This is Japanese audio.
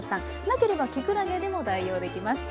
なければきくらげでも代用できます。